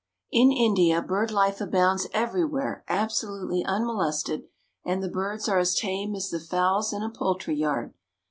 In India bird life abounds everywhere absolutely unmolested, and the birds are as tame as the fowls in a poultry yard.